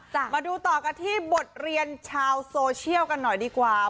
มาดูต่อกันที่บทเรียนชาวโซเชียลกันหน่อยดีกว่า